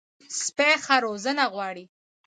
سپي ښه روزنه غواړي.